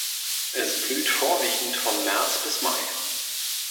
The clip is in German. Es blüht vorwiegend von März bis Mai.